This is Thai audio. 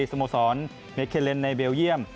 สมสรรค์เมเคลเลนส์ในเบลเยี่ยม